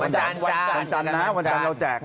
วันจันทร์นะวันจันทร์เราแจก